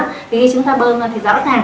thì khi chúng ta bơm ra thì rõ ràng